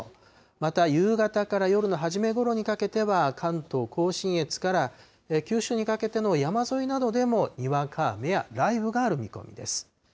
また夕方から夜の初めごろにかけては、関東甲信越から九州にかけての山沿いなどでも、にわか雨や雷雨がある見込みです。